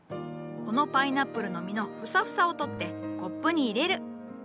このパイナップルの実のフサフサを取ってコップに入れる。